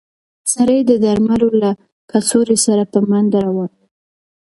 سړی د درملو له کڅوړې سره په منډه روان و.